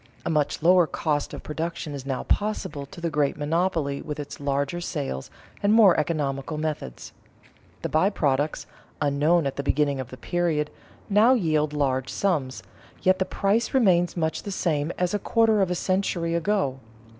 A much lower cost of production is now possible to the great monopoly with its larger sales and more economical methods. The by products, unknown at the beginning of the period, now yield large sums, yet the price remains much the same as a quarter of a century ago.